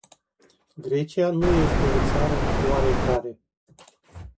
Grecia nu este o țară oarecare.